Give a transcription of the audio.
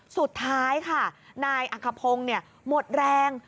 สุดท้ายค่ะนายอัคพงศ์หมดแรง